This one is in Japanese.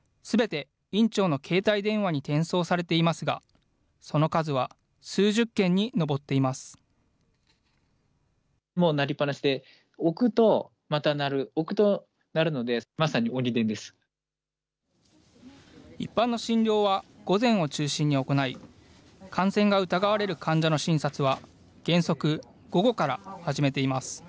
すべて院長の携帯電話に転送されていますが、一般の診療は午前を中心に行い、感染が疑われる患者の診察は原則、午後から始めています。